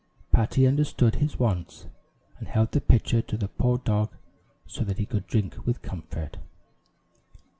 Patty understood his wants, and held the pitcher to the poor dog so that he could drink with comfort.